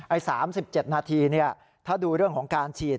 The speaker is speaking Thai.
ไอ้๓๗นาทีเนี่ยถ้าดูเรื่องของการฉีด